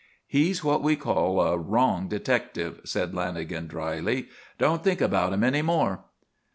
"He's what we call a 'wrong' detective," said Lanagan, drily. "Don't think about him any more."